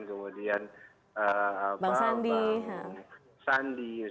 kemudian bang sandi